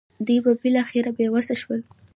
دوی به بالاخره بې وسه شول.